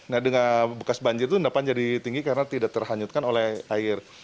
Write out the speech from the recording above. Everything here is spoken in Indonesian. nah dengan bekas banjir itu endapan jadi tinggi karena tidak terhanyutkan oleh air